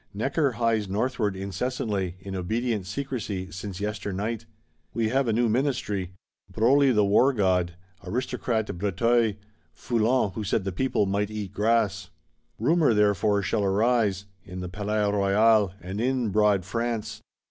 Necker hies northward incessantly, in obedient secrecy, since yesternight. We have a new Ministry: Broglie the War god; Aristocrat Bréteuil; Foulon who said the people might eat grass! Rumour, therefore, shall arise; in the Palais Royal, and in broad France.